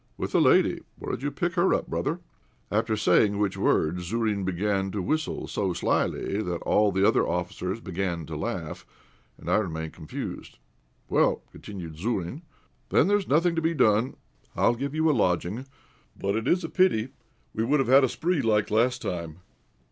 "With a lady where did you pick her up, brother?" After saying which words Zourine began to whistle so slyly that all the others began to laugh, and I remained confused. "Well," continued Zourine, "then there is nothing to be done. I'll give you a lodging. But it is a pity; we would have had a spree like last time.